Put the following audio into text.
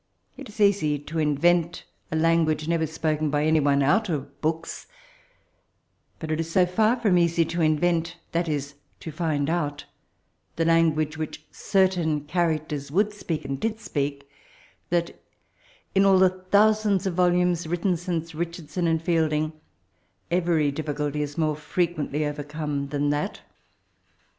It is easy to in» TBit a language never spoken by any one out of books ; but it is so far from easy to invent — ^that is, to find out — the language which certain charao* teiB wonld speak and did speok, that in all the thousands of volomea written since Richardson and Fielding, every difficulty is more frequently over* oome than thai.